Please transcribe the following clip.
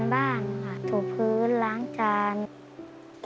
โดนแน่เลยค่ะ